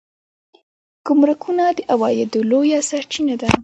ګمرکونه د عوایدو لویه سرچینه ده